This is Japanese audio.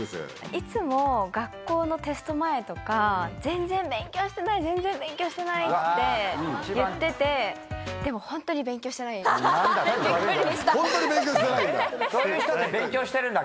いつも学校のテスト前とか、全然勉強してない、全然勉強してないって言ってて、でも、本当に本当に勉強してないんだ？